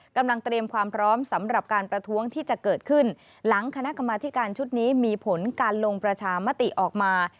เตรียมความพร้อมสำหรับการประท้วงที่จะเกิดขึ้นหลังคณะกรรมธิการชุดนี้มีผลการลงประชามติออกมา